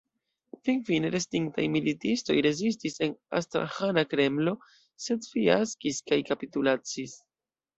Finfine restintaj militistoj rezistis en Astraĥana Kremlo, sed fiaskis kaj kapitulacis.